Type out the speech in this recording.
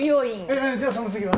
えっじゃあその次は？